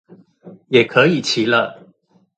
也可以騎了